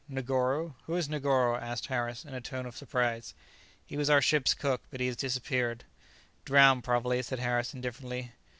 "Negoro? who is Negoro?" asked Harris, in a tone of surprise. "He was our ship's cook; but he has disappeared." "Drowned, probably," said Harris indifferently.